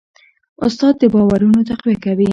استاد د باورونو تقویه کوي.